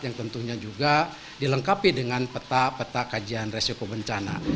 yang tentunya juga dilengkapi dengan peta peta kajian resiko bencana